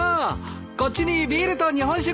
こっちにビールと日本酒下さーい！